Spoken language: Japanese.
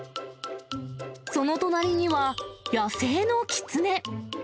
その隣には、野生のキツネ。